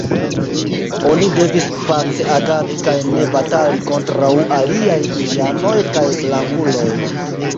Oni devis pace agadi kaj ne batali kontraŭ aliaj indianoj kaj blankuloj.